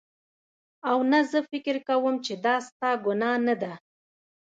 او نه زه فکر کوم چې دا ستا ګناه نده